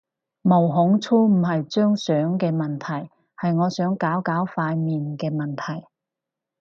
毛孔粗唔係張相嘅問題，係我想搞搞塊面嘅問題